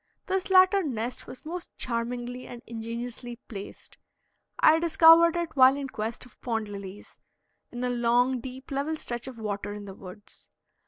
This latter nest was most charmingly and ingeniously placed. I discovered it while in quest of pond lilies, in a long, deep level stretch of water in the woods.